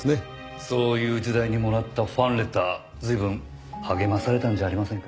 そういう時代にもらったファンレター随分励まされたんじゃありませんか？